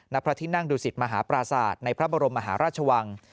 นับพระที่นั่งดูศิษฐ์มหาปราสาทในพระบรมมหาราชวัง